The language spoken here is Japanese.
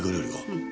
うん。